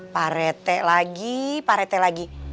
pak rete lagi pak rete lagi